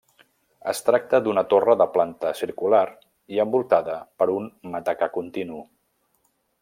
Es tracta d'una torre de planta circular i envoltada per un matacà continu.